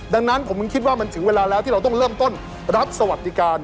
ดังนั้นผมยังคิดว่ามันถึงเวลาแล้วที่เราต้องเริ่มต้นรับสวัสดิการ